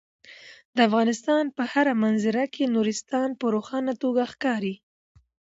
د افغانستان په هره منظره کې نورستان په روښانه توګه ښکاري.